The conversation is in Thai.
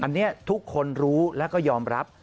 อันนี้ทุกคนรู้แล้วก็ยอมรับ